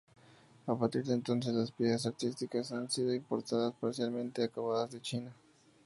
A partir de entonces las piezas artísticas han sido importadas parcialmente acabadas de China.